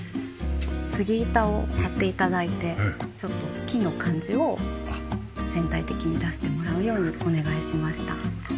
スギ板を張って頂いてちょっと木の感じを全体的に出してもらうようにお願いしました。